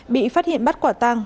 bị phát hiện bắt quả tang